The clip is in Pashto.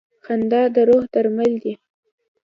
• خندا د روح درمل دی.